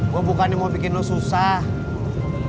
gue bukan ini mau bikin lo susah ya